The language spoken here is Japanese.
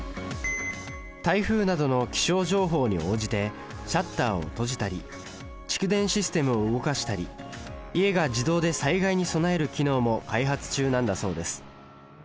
台風などの気象情報に応じてシャッターを閉じたり蓄電システムを動かしたり家が自動で災害に備える機能も開発中なんだそうです